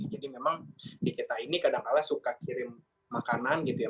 jadi memang di kita ini kadangkala suka kirim makanan gitu ya